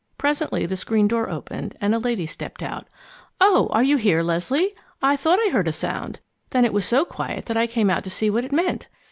Presently the screen door opened and a lady stepped out. "Oh! are you here, Leslie? I thought I heard a sound, and then it was so quiet that I came out to see what it meant.